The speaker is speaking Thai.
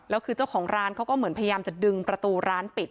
แล้วคือเจ้าของร้านเขาก็เหมือนพยายามจะดึงประตูร้านปิด